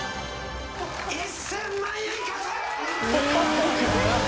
１０００万円獲得！